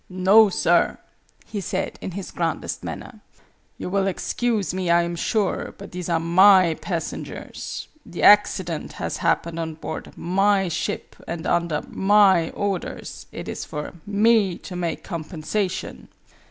"No, sir!" he said, in his grandest manner. "You will excuse Me, I am sure; but these are My passengers. The accident has happened on board My ship, and under My orders. It is for Me to make compensation."